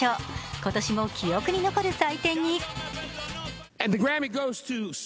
今年も記憶に残る祭典に。